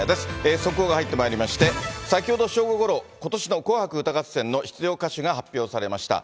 速報が入ってまいりまして、先ほど正午ごろ、ことしの紅白歌合戦の出場歌手が発表されました。